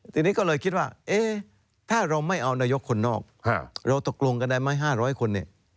ทีนี้ก็เลยคิดว่าถ้าเราไม่เอานายกคนนอกเราตกลงกันได้ไหม๕๐๐คนเนี่ย